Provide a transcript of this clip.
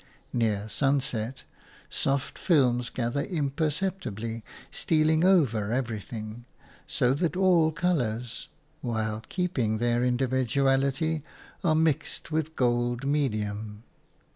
Near sunset, soft films gather imperceptibly, stealing over everything, so that all colours, while keeping their individuality, are mixed with gold medium.